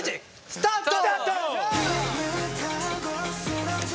スタート！